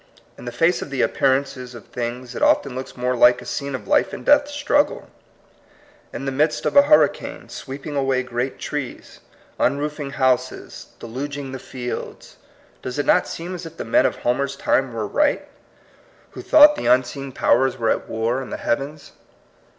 In the face of the appearances of things, it often looks far more like a scene of life and death struggle. In the midst of a hurricane, sweeping away great trees, un roofing houses, deluging the fields, does it not seem as if the men of Homer^s time were right, who thought the unseen powers THE DIVINE UNIVERSE. 47 were at war in the heavens?